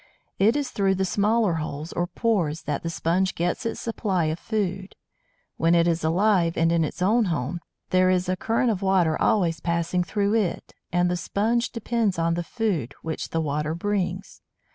It is through the smaller holes, or pores, that the Sponge gets its supply of food. When it is alive, and in its own home, there is a current of water always passing through its and the Sponge depends on the food which the water brings.